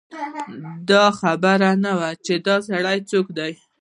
دی خبر نه و چي دا سړی څوک دی